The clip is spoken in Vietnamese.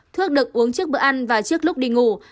thuốc được uống trước bữa ăn và trước lúc đi ngủ